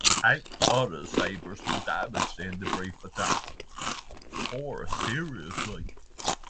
Eight other Sabres were damaged in the brief attack, four seriously.